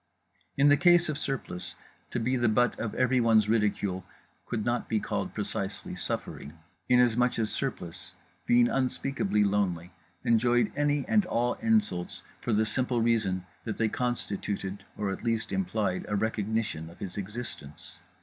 In the case of Surplice, to be the butt of everyone's ridicule could not be called precisely suffering; inasmuch as Surplice, being unspeakably lonely, enjoyed any and all insults for the simple reason that they constituted or at least implied a recognition of his existence.